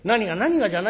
「何が？」。